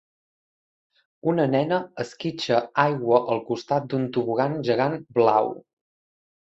Una nena esquitxa aigua al costat d'un tobogan gegant blau.